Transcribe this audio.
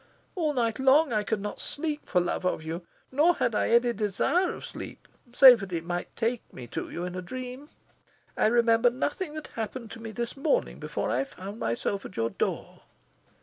All night long, I could not sleep for love of you; nor had I any desire of sleep, save that it might take me to you in a dream. I remember nothing that happened to me this morning before I found myself at your door."